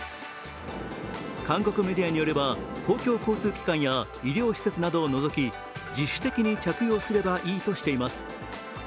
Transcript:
韓国メディアによれば公共交通機関や医療施設などを除き自主的に着用すればいいとしています。